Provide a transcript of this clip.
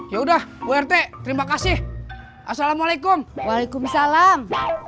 ya udah urt terima kasih assalamualaikum waalaikumsalam